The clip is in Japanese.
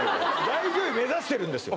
大女優を目指してるんですよ